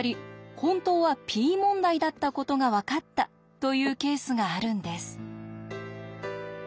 本当はＰ問題だったことが分かったというケースがあるんです。